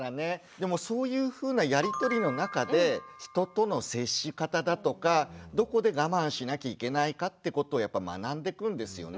でもそういうふうなやり取りの中で人との接し方だとかどこで我慢しなきゃいけないかってことをやっぱ学んでくんですよね。